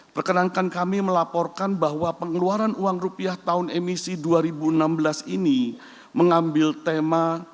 perkenankan kami melaporkan bahwa pengeluaran uang rupiah tahun emisi dua ribu enam belas ini mengambil tema